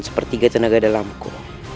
sepertiga tenaga dalamku